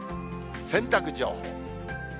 洗濯情報。